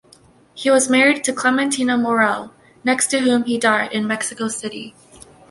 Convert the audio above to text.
He was married to Clementina Maurel, next to whom he died in Mexico City.